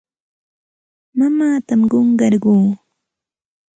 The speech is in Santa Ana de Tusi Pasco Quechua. Mamaatam qunqarquu.